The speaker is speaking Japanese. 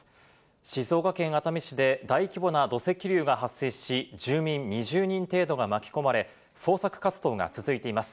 静岡県熱海市で大規模な土石流が発生し、住民２０人程度が巻き込まれ、捜索活動が続いています。